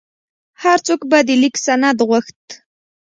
هر څوک به د لیک سند غوښت.